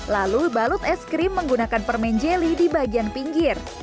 lalu balut es krim menggunakan permen jeli di bagian pinggir